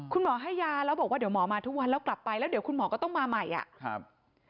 แล้วบอกว่าเหมือนหมอจะมาทุกวันมากลับไปแล้วคุณหมอก็ต้องมาใหม่